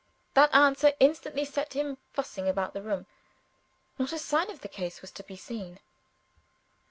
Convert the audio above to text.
That answer instantly set him fussing about the room. Not a sign of the case was to be seen.